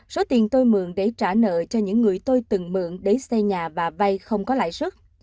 số tiền tôi mượn để trả nợ cho những người tôi từng mượn để xây nhà và vay không có lãi sức